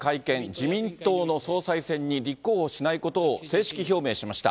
自民党の総裁選に立候補しないことを正式表明しました。